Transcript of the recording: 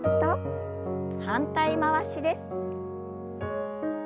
反対回しです。